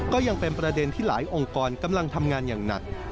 ก็ยังเป็นประเด็นที่หลายองค์กรกำลังทำงานอย่างหนัก